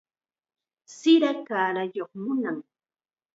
Sira kaarayuq nunam.